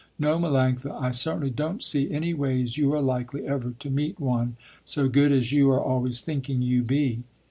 No Melanctha, I certainly don't see any ways you are likely ever to meet one, so good as you are always thinking you be."